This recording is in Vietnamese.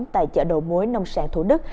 tại chợ đồ muối nông sản thủ đức